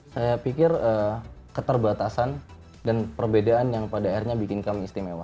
saya pikir keterbatasan dan perbedaan yang pada akhirnya bikin kami istimewa